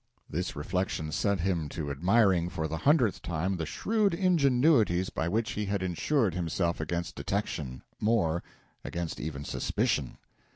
This reflection set him to admiring, for the hundredth time, the shrewd ingenuities by which he had insured himself against detection more, against even suspicion.